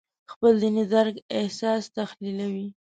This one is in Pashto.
خپل دیني درک اساس تحلیلوي.